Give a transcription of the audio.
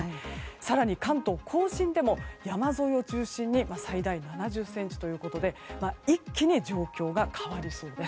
更に、関東・甲信でも山沿いを中心に最大７０ｃｍということで一気に状況が変わりそうです。